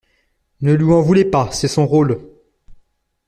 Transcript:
Ne lui en voulez pas, c’est son rôle.